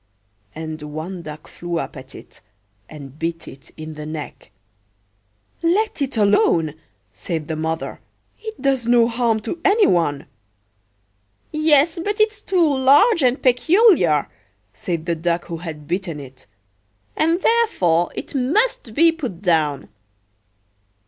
And one duck flew up at it, and bit it in the neck."Let it alone," said the mother; "it does no harm to any one.""Yes, but it's too large and peculiar," said the Duck who had bitten it; "and therefore it must be put down."